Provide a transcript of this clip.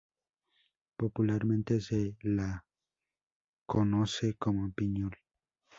Popularmente se la conoce como Piñol.